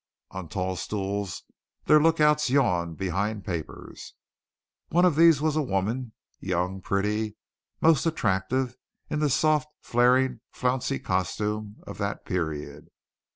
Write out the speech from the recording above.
On tall stools their lookouts yawned behind papers. One of these was a woman, young, pretty, most attractive in the soft, flaring, flouncy costume of that period.